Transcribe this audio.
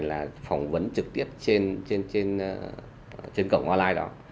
là phỏng vấn trực tiếp trên cổng online đó